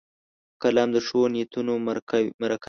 قلم د ښو نیتونو مرکه کوي